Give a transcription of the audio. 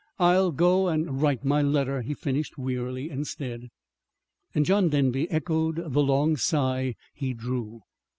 "I'll go and write my letter," he finished wearily, instead. And John Denby echoed the long sigh he drew.